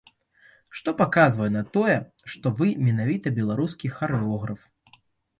Што паказвае на тое, што вы менавіта беларускі харэограф?